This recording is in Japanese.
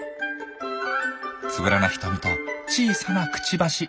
つぶらな瞳と小さなくちばし。